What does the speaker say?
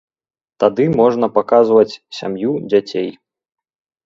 Тады можна паказваць сям'ю, дзяцей.